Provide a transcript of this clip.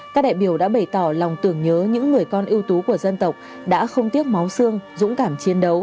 các đại biểu đã bày tỏ lòng tưởng nhớ những người con ưu tú của dân tộc đã không tiếc máu xương dũng cảm chiến đấu